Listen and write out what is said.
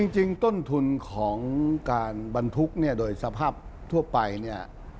จริงต้นทุนของการบรรทุกโดยสภาพทั่วไป